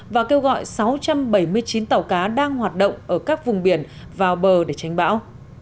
và kêu gọi sáu trăm bảy mươi chín tàu cá đang hoạt động ở các vùng biển vào bờ để tránh bão